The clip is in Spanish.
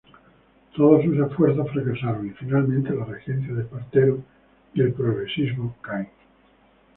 Todos sus esfuerzos fracasaron y finalmente la regencia de Espartero y el progresismo caen.